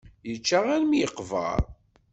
Yečča armi yeqber.